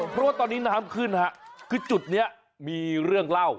เพราะว่าตอนนี้น้ำขึ้นฮะคือจุดนี้มีเรื่องเล่า